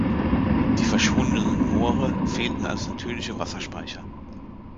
Die verschwundenen Moore fehlten als natürliche Wasserspeicher.